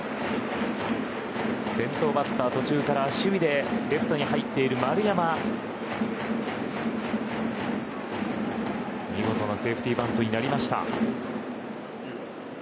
先頭バッター、途中から守備でレフトに入っている丸山見事なセーフティーバントになりました。